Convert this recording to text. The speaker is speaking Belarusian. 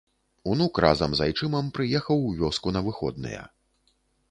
Унук разам з айчымам прыехаў у вёску на выходныя.